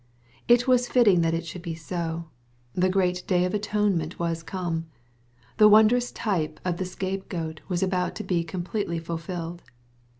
It was fitting that it should be so. (T?he great day of atonement was come:; The w^ondrous type of the scape goat was about to be completely ful filled.